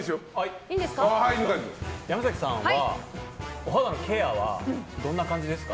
山崎さんはお肌のケアはどんな感じですか？